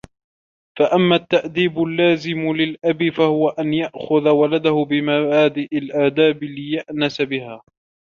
فَأَمَّا التَّأْدِيبُ اللَّازِمُ لِلْأَبِ فَهُوَ أَنْ يَأْخُذَ وَلَدَهُ بِمَبَادِئِ الْآدَابِ لِيَأْنَسَ بِهَا